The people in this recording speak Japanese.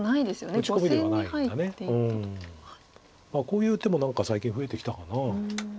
こういう手も何か最近増えてきたかな。